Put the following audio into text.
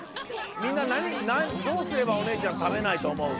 みんなどうすればおねえちゃんたべないとおもう？